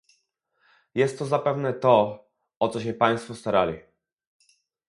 Jest to zapewne to, o co się państwo starali